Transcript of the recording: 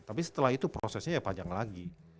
tapi setelah itu prosesnya ya panjang lagi